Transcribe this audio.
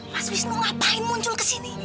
mas wisnu ngapain muncul kesini